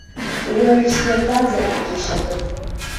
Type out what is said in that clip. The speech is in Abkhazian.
Уажә снатәазаргь џьашьатәым.